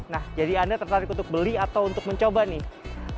nah jadi anda tertarik untuk beli atau untuk mencoba nih